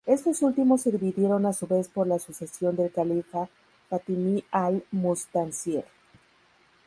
Estos últimos se dividieron a su vez por la sucesión del califa fatimí Al-Mustansir.